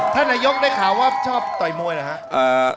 ท่านนายกได้ข่าวว่าชอบต่อยมวยเหรอครับ